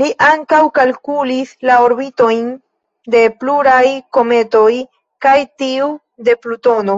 Li ankaŭ kalkulis la orbitojn de pluraj kometoj kaj tiu de Plutono.